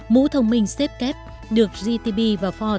mũ thông minh safecab được gtb và ford